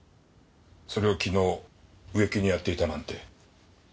それを昨日植木にやっていたなんて。